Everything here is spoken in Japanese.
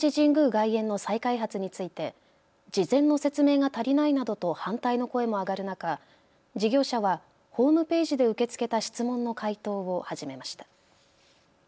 外苑の再開発について事前の説明が足りないなどと反対の声も上がる中、事業者はホームページで受け付けた質問の回答を始めました。